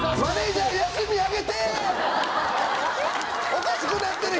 おかしくなってる！